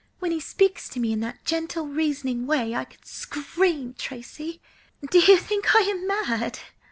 "When he speaks to me in that gentle, reasoning way, I could scream, Tracy! Do you think I am mad?"